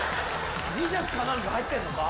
磁石かなんか入ってんのか？